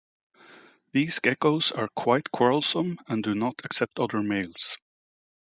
These geckos are quite quarrelsome and do not accept other males.